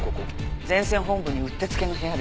前線本部にうってつけの部屋ですね。